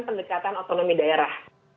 pendekatan otonomi daerah